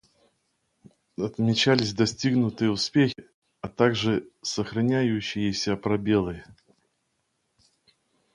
Отмечались достигнутые успехи, а также сохраняющиеся пробелы.